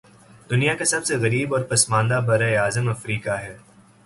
دنیا کا سب سے غریب اور پسماندہ براعظم افریقہ ہے